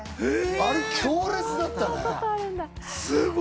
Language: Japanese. あれ強烈だったね。